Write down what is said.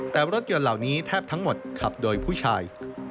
แต่รถยนต์เหล่านี้แทบทั้งหมดขับโดยผู้ชาย